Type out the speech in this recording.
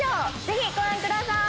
ぜひご覧ください！